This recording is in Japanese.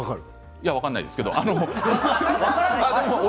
いや分からないですけど。